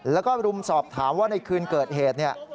แล้วก็รุมสอบถามว่าในคืนเกิดเหตุเนี่ย